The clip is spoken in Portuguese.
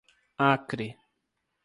Acre